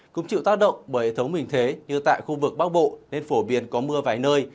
cũng chịu tác động bởi thống bình thế như tại khu vực bắc bộ nên phổ biến có mưa vài nơi